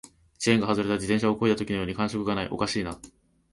チェーンが外れた自転車を漕いだときのように感触がない、おかしいな